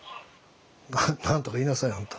何とか言いなさいよあんた。